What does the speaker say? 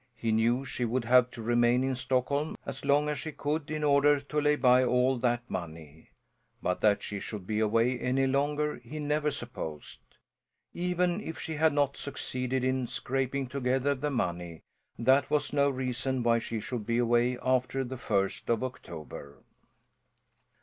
He knew she would have to remain in Stockholm as long as she could in order to lay by all that money; but that she should be away any longer he never supposed. Even if she had not succeeded in scraping together the money, that was no reason why she should be away after the first of October.